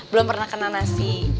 belum pernah kena nasi